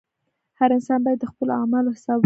• هر انسان باید د خپلو اعمالو حساب ورکړي.